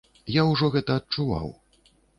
Я ўжо гэта адчуваў.